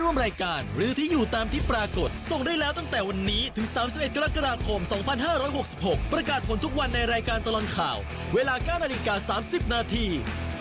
เวลา๙นาฬิกา๓๐นาที